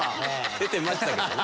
出てましたけどね。